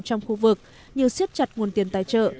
trong khu vực như siết chặt nguồn tiền tài trợ